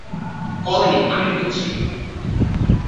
Colin, আমি বলছি।